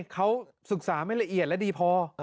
เขาศึกษาไม่ละเอียดและดีพอ